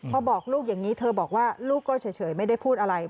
พอบอกลูกอย่างนี้เธอบอกว่าลูกก็เฉยไม่ได้พูดอะไร